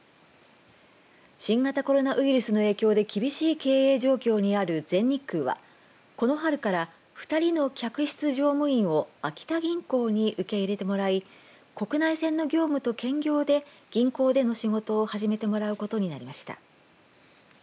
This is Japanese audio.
新型コロナウイルスの影響で厳しい経営状況にある全日空はこの春から２人の客室乗務員を秋田銀行に受け入れてもらい国内線の業務と兼業で銀行での仕事を始めてもらうことになりました。